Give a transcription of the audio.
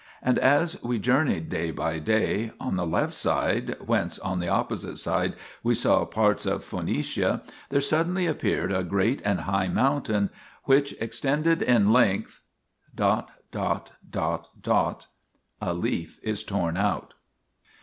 And as we journeyed day by day, on the left side, whence on the opposite side we saw parts of Phoenicia, there suddenly appeared a great and high mountain which extended in length .... [A leaf is torn out.'